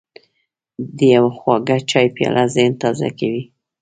د یو خواږه چای پیاله ذهن تازه کوي.